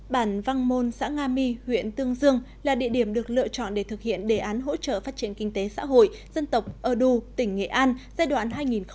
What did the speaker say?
bản văn môn xã nga my huyện tương dương là địa điểm được lựa chọn để thực hiện đề án hỗ trợ phát triển kinh tế xã hội dân tộc ơ đu tỉnh nghệ an giai đoạn hai nghìn hai mươi một hai nghìn ba mươi